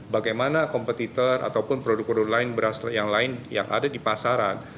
bagaimana kompetitor ataupun produk produk lain beras yang lain yang ada di pasaran